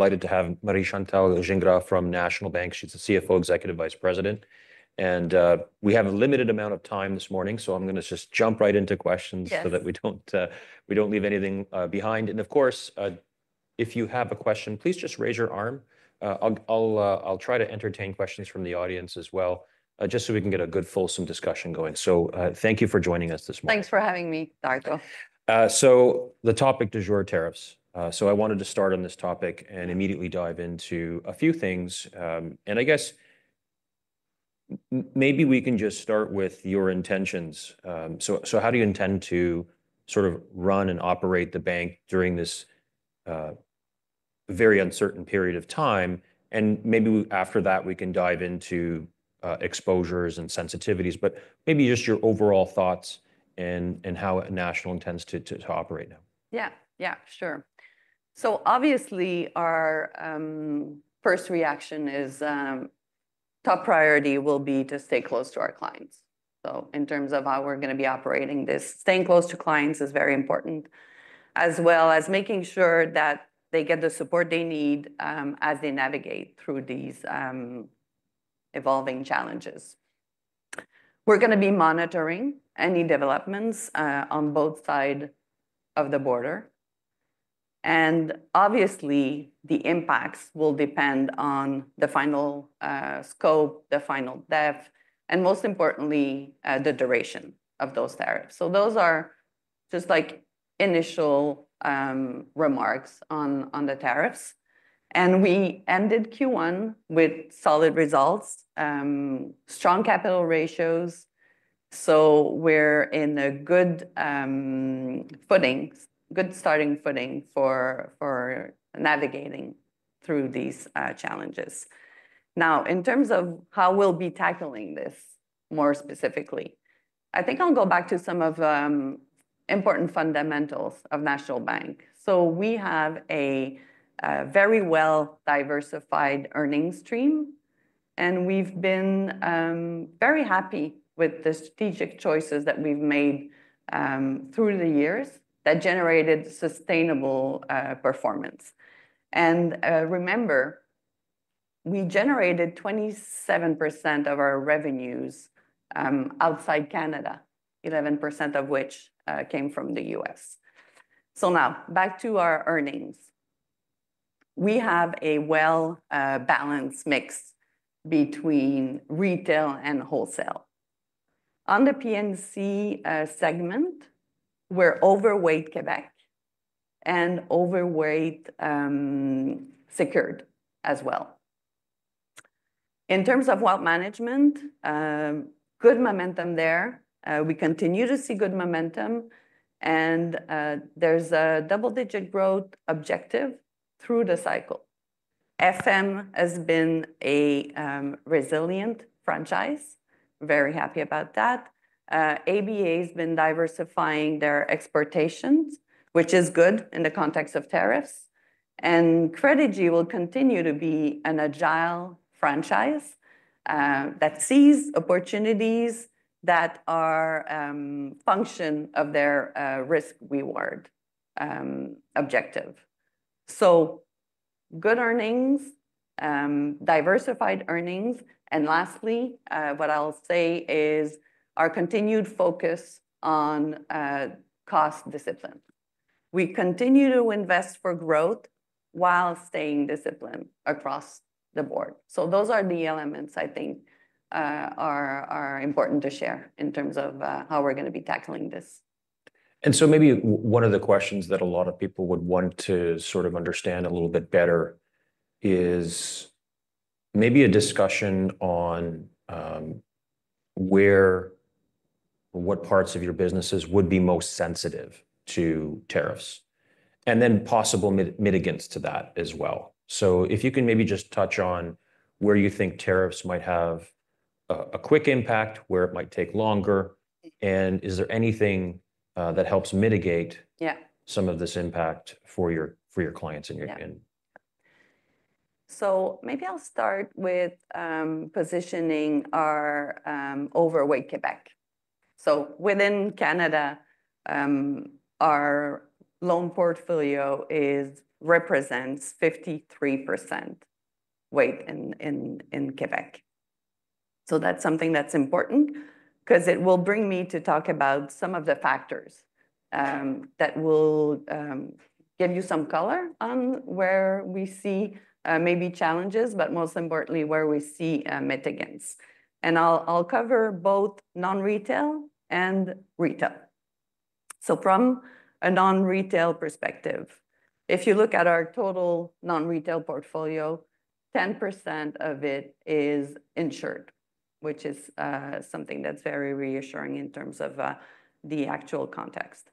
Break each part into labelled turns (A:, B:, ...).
A: Delighted to have `Marie-Chantal Gingras from National Bank. She's the CFO Executive Vice President. And we have a limited amount of time this morning, so I'm going to just jump right into questions so that we don't leave anything behind. And of course, if you have a question, please just raise your arm. I'll try to entertain questions from the audience as well, just so we can get a good, fulsome discussion going. So thank you for joining us this morning.
B: Thanks for having me, Darko.
A: The topic is your tariffs. I wanted to start on this topic and immediately dive into a few things. I guess maybe we can just start with your intentions. How do you intend to sort of run and operate the bank during this very uncertain period of time? Maybe after that, we can dive into exposures and sensitivities, but maybe just your overall thoughts and how National intends to operate now.
B: Yeah, yeah, sure. So obviously, our first reaction is top priority will be to stay close to our clients. So in terms of how we're going to be operating, this staying close to clients is very important, as well as making sure that they get the support they need as they navigate through these evolving challenges. We're going to be monitoring any developments on both sides of the border. And obviously, the impacts will depend on the final scope, the final depth, and most importantly, the duration of those tariffs. So those are just like initial remarks on the tariffs. And we ended Q1 with solid results, strong capital ratios. So we're in a good footing, good starting footing for navigating through these challenges. Now, in terms of how we'll be tackling this more specifically, I think I'll go back to some of the important fundamentals of National Bank. So we have a very well-diversified earnings stream, and we've been very happy with the strategic choices that we've made through the years that generated sustainable performance. And remember, we generated 27% of our revenues outside Canada, 11% of which came from the U.S. So now back to our earnings. We have a well-balanced mix between retail and wholesale. On the P&C segment, we're overweight Quebec and overweight secured as well. In terms of Wealth Management, good momentum there. We continue to see good momentum, and there's a double-digit growth objective through the cycle. FM has been a resilient franchise, very happy about that. ABA has been diversifying their exportations, which is good in the context of tariffs. And Credigy will continue to be an agile franchise that sees opportunities that are a function of their risk-reward objective. So good earnings, diversified earnings. And lastly, what I'll say is our continued focus on cost discipline. We continue to invest for growth while staying disciplined across the board. So those are the elements I think are important to share in terms of how we're going to be tackling this.
A: And so maybe one of the questions that a lot of people would want to sort of understand a little bit better is maybe a discussion on what parts of your businesses would be most sensitive to tariffs and then possible mitigants to that as well. So if you can maybe just touch on where you think tariffs might have a quick impact, where it might take longer, and is there anything that helps mitigate some of this impact for your clients?
B: Maybe I'll start with positioning our overweight Quebec. Within Canada, our loan portfolio represents 53% weight in Quebec. That's something that's important because it will bring me to talk about some of the factors that will give you some color on where we see maybe challenges, but most importantly, where we see mitigants. I'll cover both non-retail and retail. From a non-retail perspective, if you look at our total non-retail portfolio, 10% of it is insured, which is something that's very reassuring in terms of the actual context.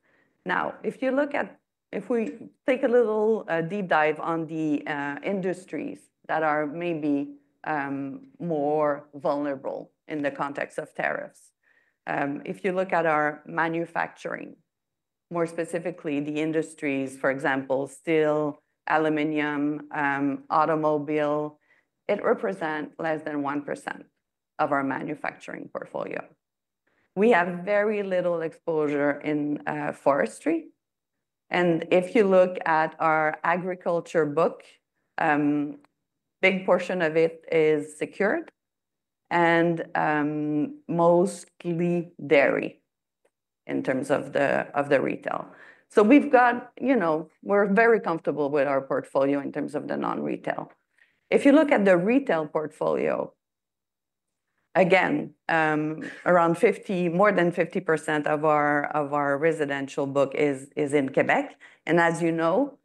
B: If you look at if we take a little deep dive on the industries that are maybe more vulnerable in the context of tariffs, if you look at our manufacturing, more specifically the industries, for example, steel, aluminum, automobile, it represents less than 1% of our manufacturing portfolio. We have very little exposure in forestry. And if you look at our agriculture book, a big portion of it is secured and mostly dairy in terms of the retail. So we're very comfortable with our portfolio in terms of the non-retail. If you look at the retail portfolio, again, around 50%, more than 50% of our residential book is in Quebec. And as you know,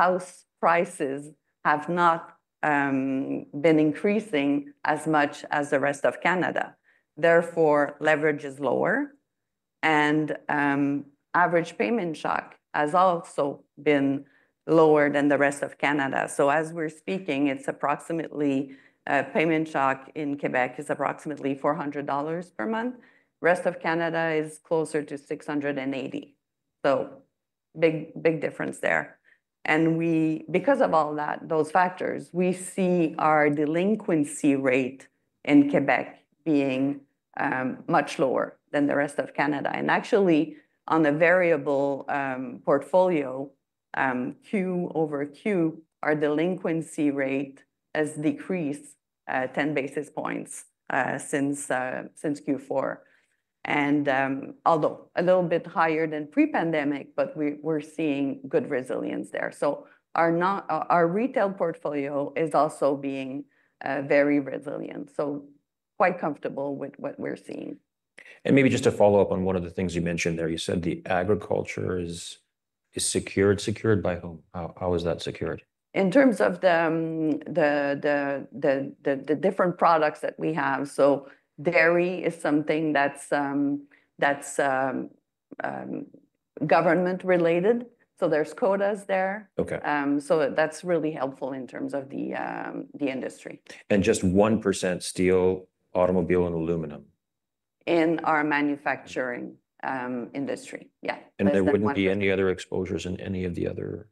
B: house prices have not been increasing as much as the rest of Canada. Therefore, leverage is lower. And average payment shock has also been lower than the rest of Canada. So as we're speaking, it's approximately payment shock in Quebec is approximately 400 dollars per month. The rest of Canada is closer to 680. So big difference there. And because of all those factors, we see our delinquency rate in Quebec being much lower than the rest of Canada. Actually, on the variable portfolio, Q over Q, our delinquency rate has decreased 10 basis points since Q4. Although a little bit higher than pre-pandemic, but we're seeing good resilience there. Our retail portfolio is also being very resilient. Quite comfortable with what we're seeing.
A: Maybe just to follow up on one of the things you mentioned there, you said the agriculture is secured. Secured by whom? How is that secured?
B: In terms of the different products that we have. So dairy is something that's government-related. So there's quotas there. So that's really helpful in terms of the industry.
A: Just 1% steel, automobile, and aluminum.
B: In our manufacturing industry. Yeah.
A: There wouldn't be any other exposures in any of the other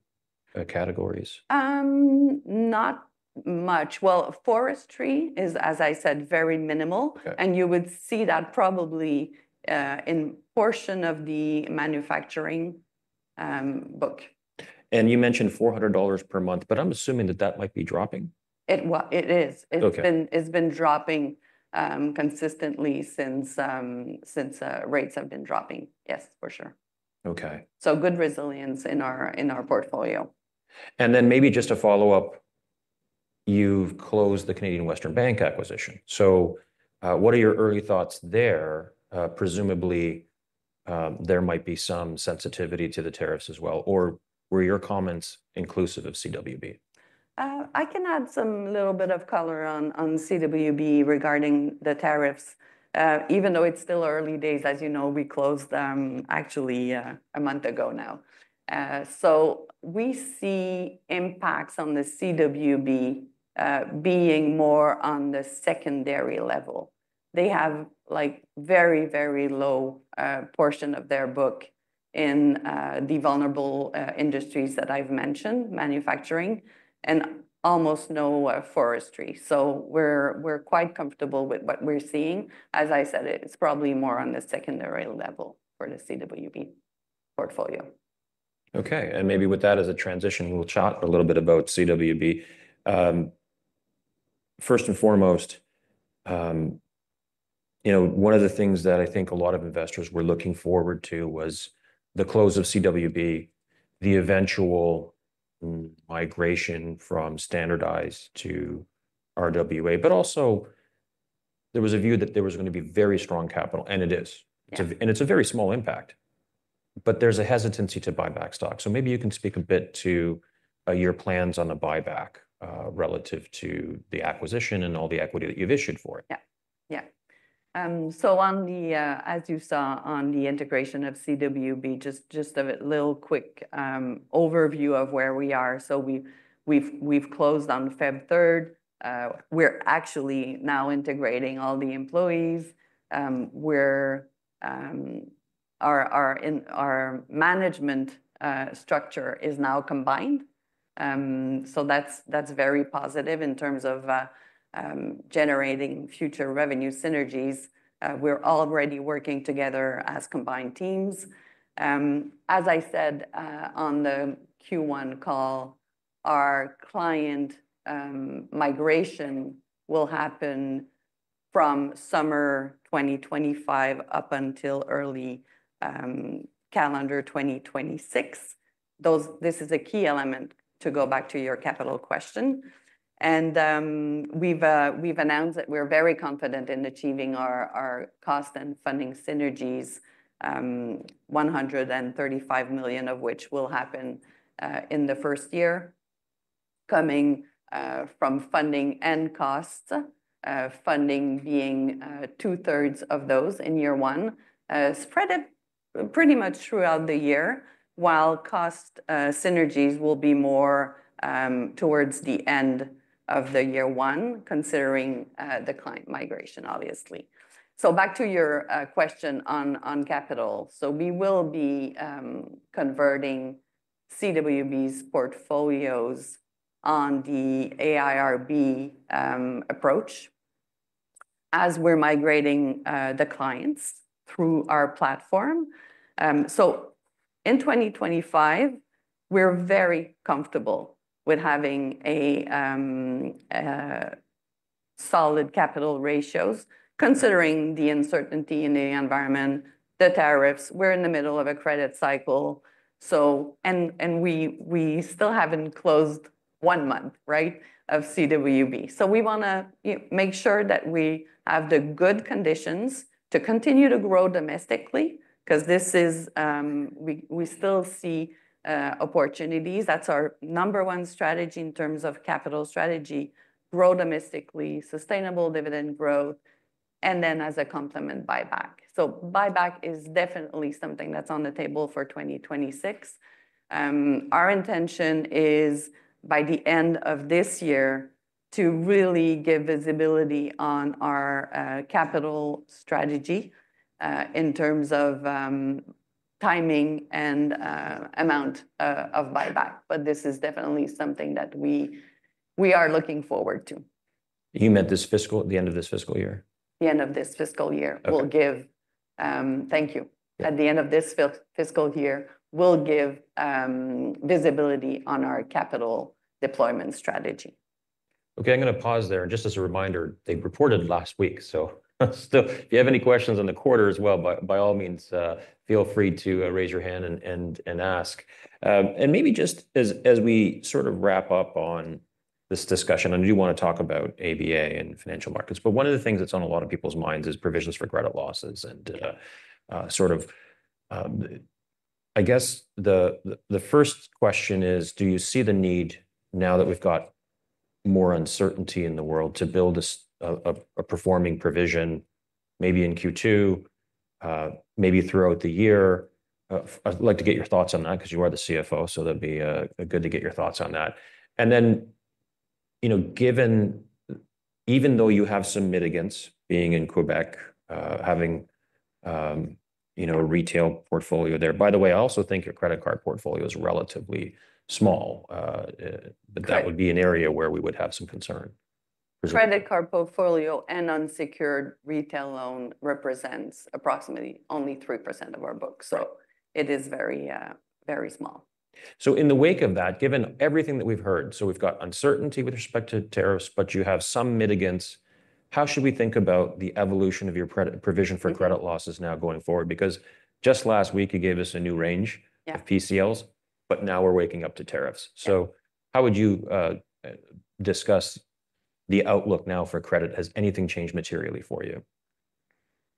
A: categories?
B: Not much. Forestry is, as I said, very minimal. You would see that probably in a portion of the manufacturing book.
A: You mentioned 400 dollars per month, but I'm assuming that that might be dropping.
B: It is. It's been dropping consistently since rates have been dropping. Yes, for sure. So good resilience in our portfolio.
A: And then maybe just a follow-up, you've closed the Canadian Western Bank acquisition. So what are your early thoughts there? Presumably, there might be some sensitivity to the tariffs as well. Or were your comments inclusive of CWB?
B: I can add some little bit of color on CWB regarding the tariffs, even though it's still early days. As you know, we closed them actually a month ago now. So we see impacts on the CWB being more on the secondary level. They have a very, very low portion of their book in the vulnerable industries that I've mentioned, manufacturing, and almost no forestry. So we're quite comfortable with what we're seeing. As I said, it's probably more on the secondary level for the CWB portfolio.
A: Okay. And maybe with that as a transition, we'll chat a little bit about CWB. First and foremost, one of the things that I think a lot of investors were looking forward to was the close of CWB, the eventual migration from standardized to RWA. But also, there was a view that there was going to be very strong capital, and it is. And it's a very small impact. But there's a hesitancy to buy back stock. So maybe you can speak a bit to your plans on the buyback relative to the acquisition and all the equity that you've issued for it.
B: Yeah. Yeah. So as you saw on the integration of CWB, just a little quick overview of where we are. So we've closed on February 3rd. We're actually now integrating all the employees. Our management structure is now combined. So that's very positive in terms of generating future revenue synergies. We're already working together as combined teams. As I said on the Q1 call, our client migration will happen from summer 2025 up until early calendar 2026. This is a key element to go back to your capital question. And we've announced that we're very confident in achieving our cost and funding synergies, 135 million of which will happen in the first year, coming from funding and costs, funding being two-thirds of those in year one, spread pretty much throughout the year, while cost synergies will be more towards the end of year one, considering the client migration, obviously. So back to your question on capital. We will be converting CWB's portfolios on the AIRB approach as we're migrating the clients through our platform. In 2025, we're very comfortable with having solid capital ratios, considering the uncertainty in the environment, the tariffs. We're in the middle of a credit cycle. We still haven't closed one month, right, of CWB. We want to make sure that we have the good conditions to continue to grow domestically because we still see opportunities. That's our number one strategy in terms of capital strategy, grow domestically, sustainable dividend growth, and then as a complement, buyback. Buyback is definitely something that's on the table for 2026. Our intention is by the end of this year to really give visibility on our capital strategy in terms of timing and amount of buyback. This is definitely something that we are looking forward to.
A: You meant this fiscal, the end of this fiscal year?
B: At the end of this fiscal year, we'll give visibility on our capital deployment strategy.
A: Okay. I'm going to pause there. And just as a reminder, they reported last week. So if you have any questions on the quarter as well, by all means, feel free to raise your hand and ask. And maybe just as we sort of wrap up on this discussion, I do want to talk about ABA and Financial Markets. But one of the things that's on a lot of people's minds is provisions for credit losses and sort of I guess the first question is, do you see the need now that we've got more uncertainty in the world to build a performing provision, maybe in Q2, maybe throughout the year? I'd like to get your thoughts on that because you are the CFO. So that'd be good to get your thoughts on that. And then even though you have some mitigants being in Quebec, having a retail portfolio there, by the way, I also think your credit card portfolio is relatively small. But that would be an area where we would have some concern.
B: Credit card portfolio and unsecured retail loan represents approximately only 3% of our book. So it is very small.
A: So in the wake of that, given everything that we've heard, so we've got uncertainty with respect to tariffs, but you have some mitigants. How should we think about the evolution of your provision for credit losses now going forward? Because just last week, you gave us a new range of PCLs, but now we're waking up to tariffs. So how would you discuss the outlook now for credit? Has anything changed materially for you?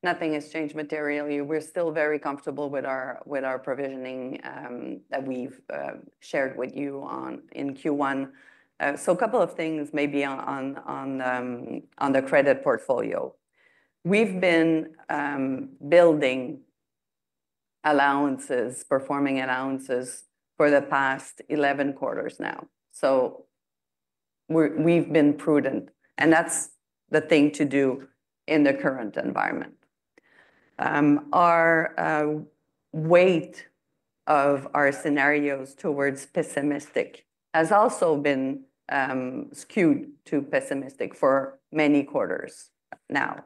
B: Nothing has changed materially. We're still very comfortable with our provisioning that we've shared with you in Q1. So a couple of things maybe on the credit portfolio. We've been building allowances, performing allowances for the past 11 quarters now. So we've been prudent. And that's the thing to do in the current environment. Our weighting of our scenarios towards pessimistic has also been skewed to pessimistic for many quarters now.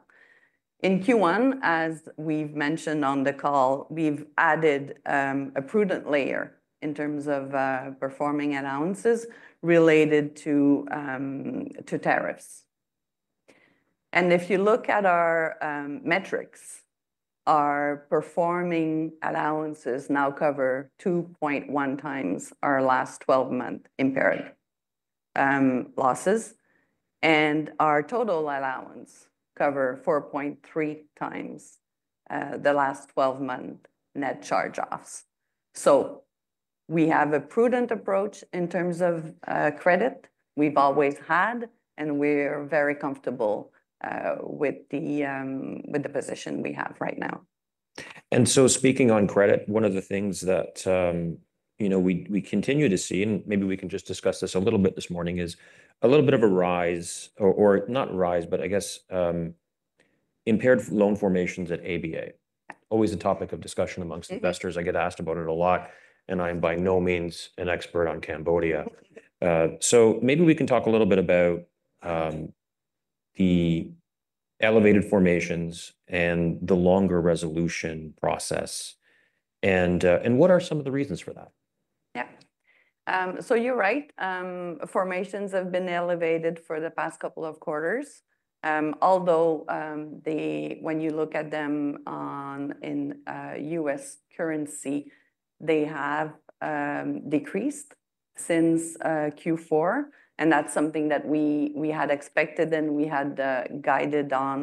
B: In Q1, as we've mentioned on the call, we've added a prudent layer in terms of performing allowances related to tariffs. And if you look at our metrics, our performing allowances now cover 2.1 times our last 12-month impaired losses. And our total allowances cover 4.3 times the last 12-month net charge-offs. So we have a prudent approach in terms of credit. We've always had, and we're very comfortable with the position we have right now.
A: Speaking on credit, one of the things that we continue to see, and maybe we can just discuss this a little bit this morning, is a little bit of a rise, or not rise, but I guess impaired loan formations at ABA. Always a topic of discussion among investors. I get asked about it a lot. I'm by no means an expert on Cambodia. Maybe we can talk a little bit about the elevated formations and the longer resolution process. What are some of the reasons for that?
B: Yeah. So you're right. Formations have been elevated for the past couple of quarters. Although when you look at them in US currency, they have decreased since Q4. And that's something that we had expected and we had guided on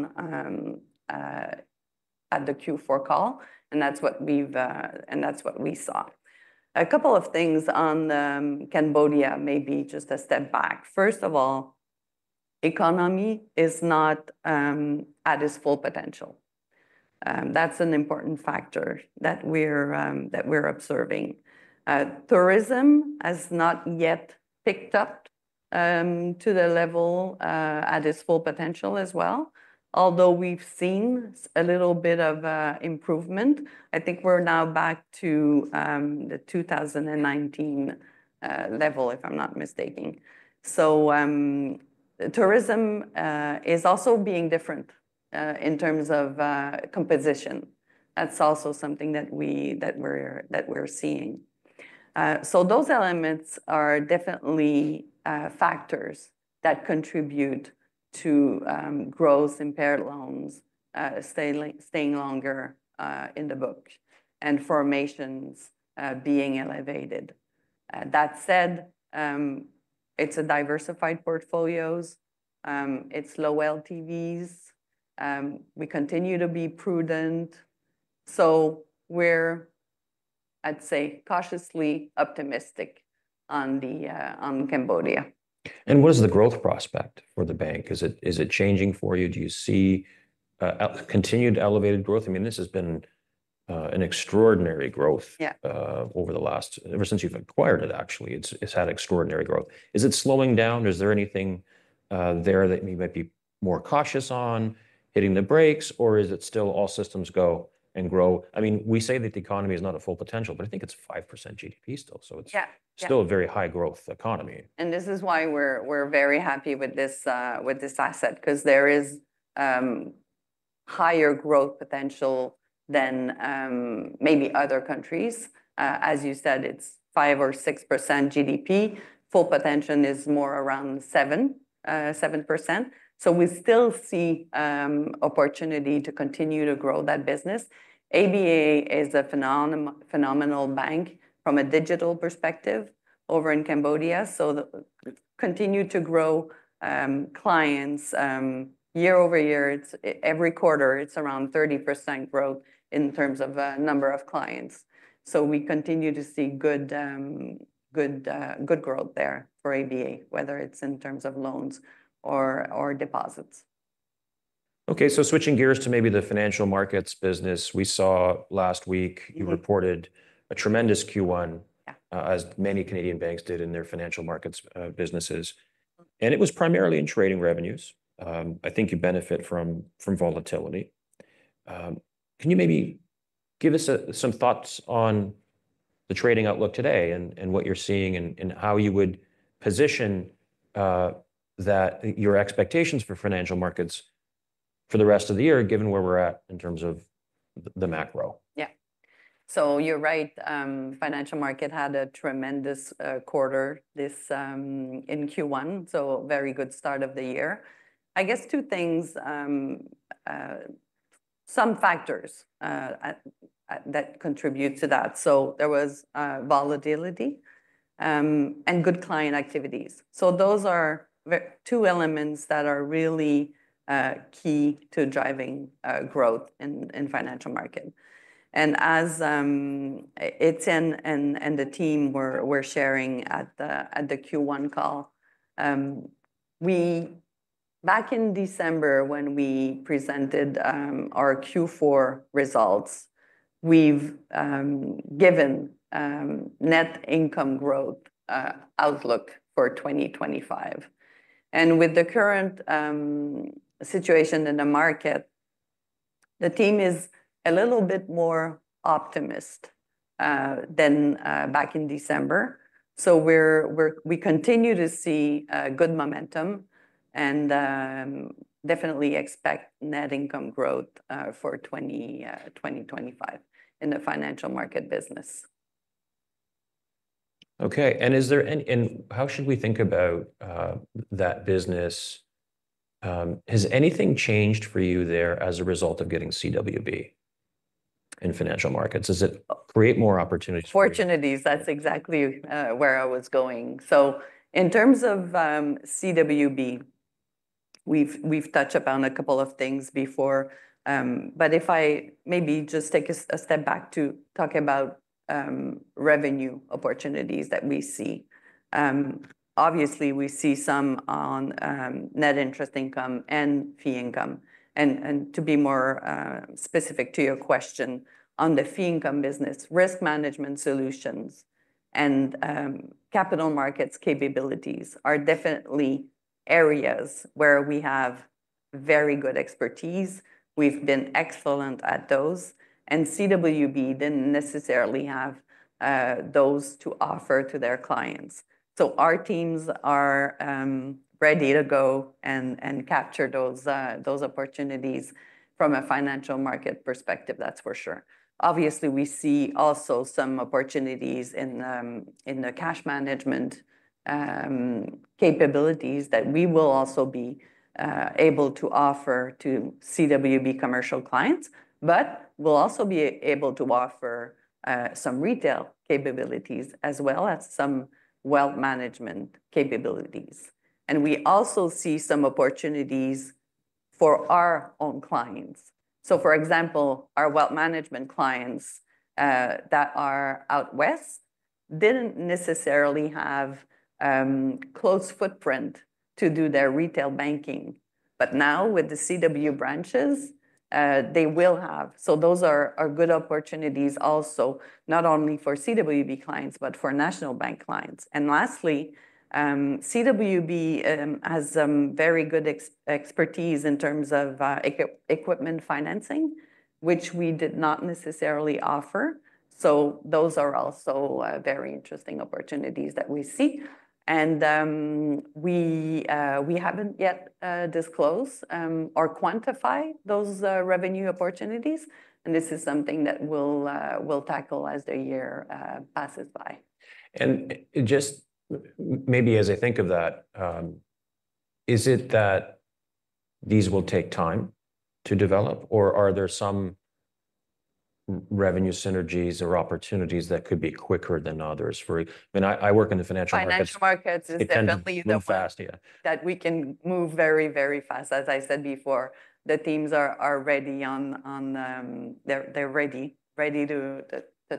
B: at the Q4 call. And that's what we've and that's what we saw. A couple of things on Cambodia, maybe just a step back. First of all, economy is not at its full potential. That's an important factor that we're observing. Tourism has not yet picked up to the level at its full potential as well. Although we've seen a little bit of improvement, I think we're now back to the 2019 level, if I'm not mistaken. So tourism is also being different in terms of composition. That's also something that we're seeing. So those elements are definitely factors that contribute to gross impaired loans, staying longer in the book, and formations being elevated. That said, it's diversified portfolios. It's low LTVs. We continue to be prudent. So we're, I'd say, cautiously optimistic on Cambodia.
A: What is the growth prospect for the bank? Is it changing for you? Do you see continued elevated growth? I mean, this has been an extraordinary growth over the last ever since you've acquired it, actually. It's had extraordinary growth. Is it slowing down? Is there anything there that you might be more cautious on hitting the brakes? Or is it still all systems go and grow? I mean, we say that the economy is not at full potential, but I think it's 5% GDP still. So it's still a very high-growth economy.
B: And this is why we're very happy with this asset because there is higher growth potential than maybe other countries. As you said, it's 5% or 6% GDP. Full potential is more around 7%. So we still see opportunity to continue to grow that business. ABA is a phenomenal bank from a digital perspective over in Cambodia. So continue to grow clients year-over-year. Every quarter, it's around 30% growth in terms of number of clients. So we continue to see good growth there for ABA, whether it's in terms of loans or deposits.
A: Okay. So switching gears to maybe the financial markets business. We saw last week you reported a tremendous Q1, as many Canadian banks did in their financial markets businesses. And it was primarily in trading revenues. I think you benefit from volatility. Can you maybe give us some thoughts on the trading outlook today and what you're seeing and how you would position your expectations for financial markets for the rest of the year, given where we're at in terms of the macro?
B: Yeah. So you're right. Financial Markets had a tremendous quarter in Q1. So very good start of the year. I guess two things, some factors that contribute to that. So there was volatility and good client activities. So those are two elements that are really key to driving growth in Financial Markets. And as Étienne and the team were sharing at the Q1 call, back in December, when we presented our Q4 results, we've given net income growth outlook for 2025. And with the current situation in the market, the team is a little bit more optimistic than back in December. So we continue to see good momentum and definitely expect net income growth for 2025 in the Financial Markets business.
A: Okay. And how should we think about that business? Has anything changed for you there as a result of getting CWB in financial markets? Does it create more opportunities?
B: Opportunities. That's exactly where I was going, so in terms of CWB, we've touched upon a couple of things before, but if I maybe just take a step back to talk about revenue opportunities that we see, obviously, we see some on net interest income and fee income. And to be more specific to your question on the fee income business, risk management solutions and capital markets capabilities are definitely areas where we have very good expertise. We've been excellent at those, and CWB didn't necessarily have those to offer to their clients, so our teams are ready to go and capture those opportunities from a financial market perspective, that's for sure, obviously, we see also some opportunities in the cash management capabilities that we will also be able to offer to CWB commercial clients. But we'll also be able to offer some retail capabilities as well as some wealth management capabilities. And we also see some opportunities for our own clients. So for example, our wealth management clients that are out west didn't necessarily have close footprint to do their retail banking. But now with the CWB branches, they will have. So those are good opportunities also not only for CWB clients, but for National Bank clients. And lastly, CWB has very good expertise in terms of equipment financing, which we did not necessarily offer. So those are also very interesting opportunities that we see. And we haven't yet disclosed or quantified those revenue opportunities. And this is something that we'll tackle as the year passes by.
A: Just maybe as I think of that, is it that these will take time to develop? Or are there some revenue synergies or opportunities that could be quicker than others? I mean, I work in the financial markets.
B: Financial Markets is definitely the one that we can move very, very fast. As I said before, the teams are ready, and they're ready to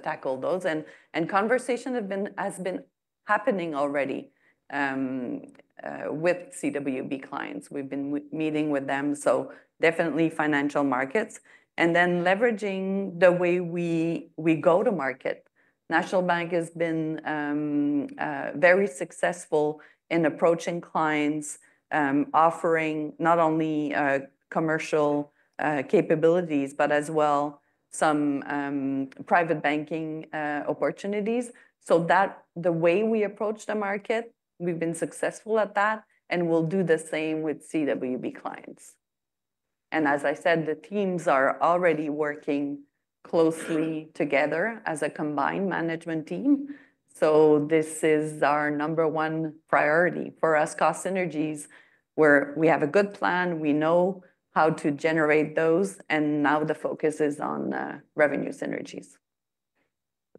B: tackle those. And conversation has been happening already with CWB clients. We've been meeting with them. So definitely Financial Markets. And then leveraging the way we go to market. National Bank has been very successful in approaching clients, offering not only commercial capabilities, but as well some private banking opportunities. So the way we approach the market, we've been successful at that. And we'll do the same with CWB clients. And as I said, the teams are already working closely together as a combined management team. So this is our number one priority for us, cost synergies, where we have a good plan. We know how to generate those. And now the focus is on revenue synergies.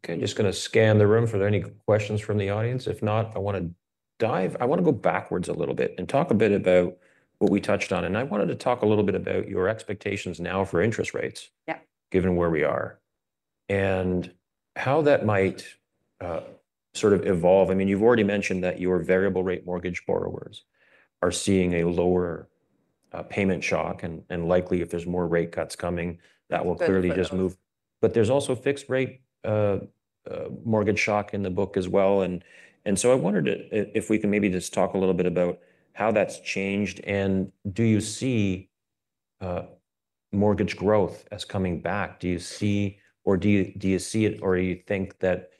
A: Okay. I'm just going to scan the room for any questions from the audience. If not, I want to dive. I want to go backwards a little bit and talk a bit about what we touched on. And I wanted to talk a little bit about your expectations now for interest rates, given where we are, and how that might sort of evolve. I mean, you've already mentioned that your variable rate mortgage borrowers are seeing a lower payment shock. And likely, if there's more rate cuts coming, that will clearly just move. But there's also fixed rate mortgage shock in the book as well. And so I wondered if we can maybe just talk a little bit about how that's changed. And do you see mortgage growth as coming back? Do you see or do you see it or do you think that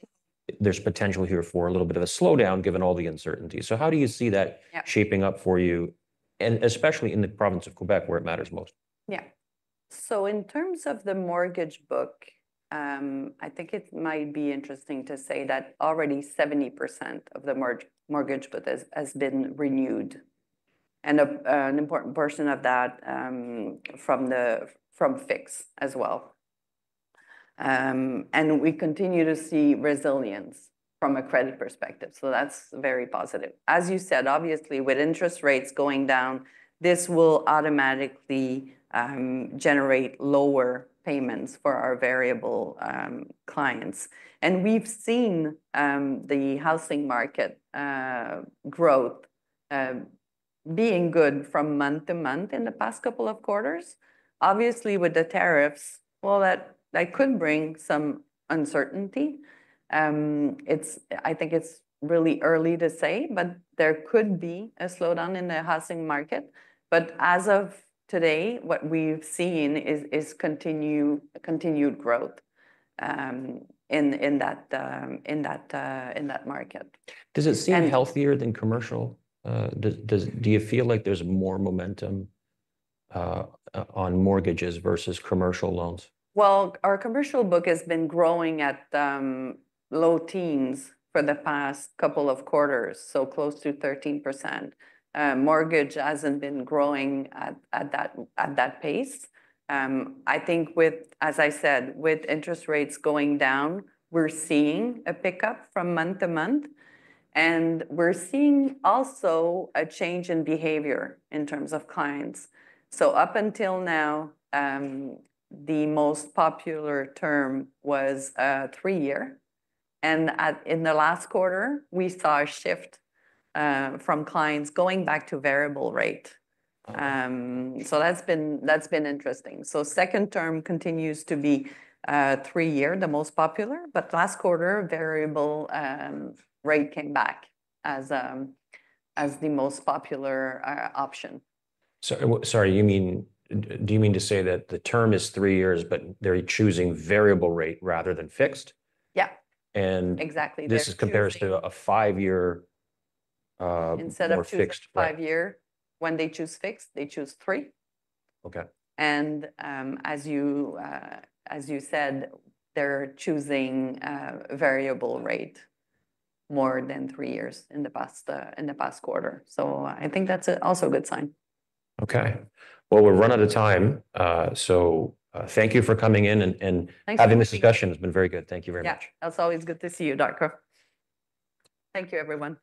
A: there's potential here for a little bit of a slowdown given all the uncertainty? So how do you see that shaping up for you, and especially in the province of Quebec where it matters most?
B: Yeah. So in terms of the mortgage book, I think it might be interesting to say that already 70% of the mortgage book has been renewed. And an important portion of that from Fixed as well. And we continue to see resilience from a credit perspective. So that's very positive. As you said, obviously, with interest rates going down, this will automatically generate lower payments for our variable clients. And we've seen the housing market growth being good from month to month in the past couple of quarters. Obviously, with the tariffs, well, that could bring some uncertainty. I think it's really early to say, but there could be a slowdown in the housing market. But as of today, what we've seen is continued growth in that market.
A: Does it seem healthier than commercial? Do you feel like there's more momentum on mortgages versus commercial loans?
B: Our commercial book has been growing at low teens for the past couple of quarters, so close to 13%. Mortgage hasn't been growing at that pace. I think, as I said, with interest rates going down, we're seeing a pickup from month to month, and we're seeing also a change in behavior in terms of clients, so up until now, the most popular term was three-year, and in the last quarter, we saw a shift from clients going back to variable rate. That's been interesting, so second term continues to be three-year, the most popular, but last quarter, variable rate came back as the most popular option.
A: Sorry, do you mean to say that the term is three years, but they're choosing variable rate rather than fixed?
B: Yeah. Exactly.
A: This compares to a five-year or fixed?
B: Instead of fixed five-year, when they choose fixed, they choose three. And as you said, they're choosing variable rate more than three years in the past quarter. So I think that's also a good sign.
A: Okay. Well, we've run out of time. So thank you for coming in and having this discussion. It's been very good. Thank you very much.
B: Yeah. It's always good to see you, Darko. Thank you, everyone.